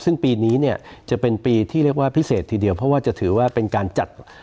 ซึ่งปีนี้เนี่ยจะเป็นปีที่เรียกว่าพิเศษทีเดียวเพราะว่าจะถือว่าเป็นการจัด